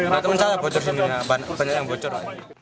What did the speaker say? mereka mencari bocor di minyak banyak yang bocor